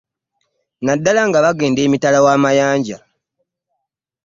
Naddala nga bagenda emitala w'amayanja.